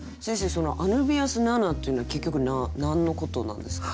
その「アヌビアス・ナナ」っていうのは結局何のことなんですか？